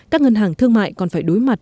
các ngân hàng thương mại còn phải đối mặt